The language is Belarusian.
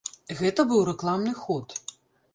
Гэта быў рэкламны ход.